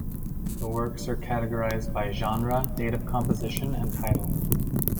The works are categorized by genre, date of composition and title.